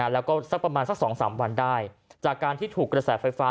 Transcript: แล้วก็สักประมาณสัก๒๓วันได้จากการที่ถูกกระแสไฟฟ้า